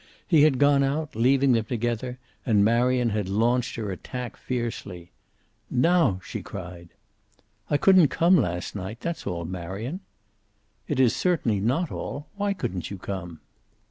He had gone out, leaving them together, and Marion had launched her attack fiercely. "Now!" she cried. "I couldn't come last night. That's all, Marion." "It is certainly not all. Why couldn't you come?"